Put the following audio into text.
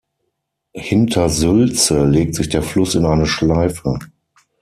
Hinter Sülze legt sich der Fluss in eine Schleife.